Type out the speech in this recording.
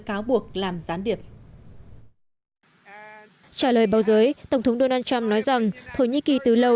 cáo buộc làm gián điệp trả lời báo giới tổng thống donald trump nói rằng thổ nhĩ kỳ từ lâu